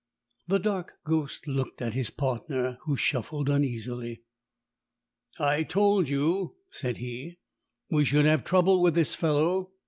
The dark ghost looked at his partner, who shuffled uneasily. "I told you," said he, "we should have trouble with this fellow.